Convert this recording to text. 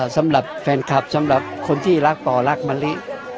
สำหรับแฟนคลับสำหรับคนที่รักป่อรักมะลิ